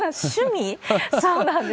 そうなんです。